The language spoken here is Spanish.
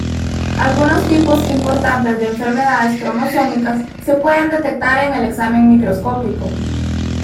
Algunos tipos importantes de enfermedades cromosómicas se pueden detectar en el examen microscópico.